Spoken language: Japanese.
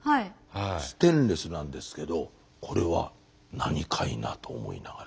ステンレスなんですけどこれは何かいな？と思いながら。